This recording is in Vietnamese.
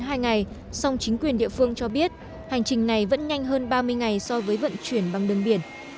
trong hai ngày song chính quyền địa phương cho biết hành trình này vẫn nhanh hơn ba mươi ngày so với vận chuyển bằng đường biển